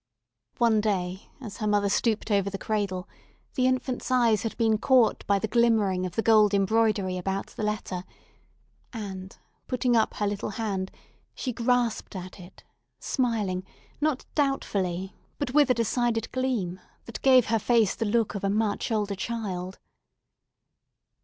One day, as her mother stooped over the cradle, the infant's eyes had been caught by the glimmering of the gold embroidery about the letter; and putting up her little hand she grasped at it, smiling, not doubtfully, but with a decided gleam, that gave her face the look of a much older child.